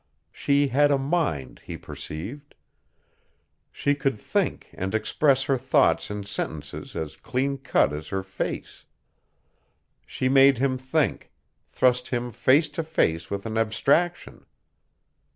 She had a mind, he perceived. She could think and express her thoughts in sentences as clean cut as her face. She made him think, thrust him face to face with an abstraction.